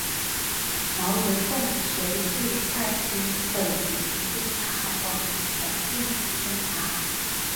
毛人凤随即派北平督察王蒲臣秘密侦查。